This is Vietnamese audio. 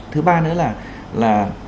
thứ ba nữa là